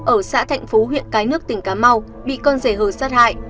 ở xã thạnh phú huyện cái nước tỉnh cà mau bị con rể hờ sát hại